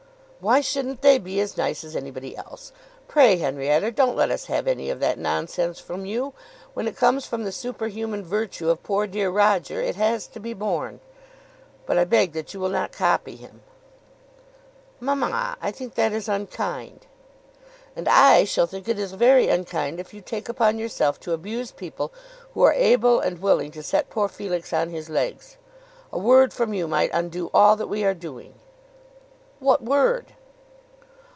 "Why shouldn't they be as nice as anybody else? Pray, Henrietta, don't let us have any of that nonsense from you. When it comes from the superhuman virtue of poor dear Roger it has to be borne, but I beg that you will not copy him." "Mamma, I think that is unkind." "And I shall think it very unkind if you take upon yourself to abuse people who are able and willing to set poor Felix on his legs. A word from you might undo all that we are doing." "What word?"